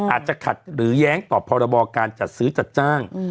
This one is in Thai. อาจจะขัดหรือแย้งต่อพรบการจัดซื้อจัดจ้าง